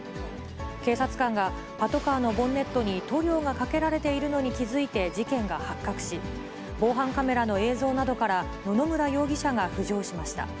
警察官が、パトカーのボンネットに塗料がかけられているのに気付いて事件が発覚し、防犯カメラの映像などから、野々村容疑者が浮上しました。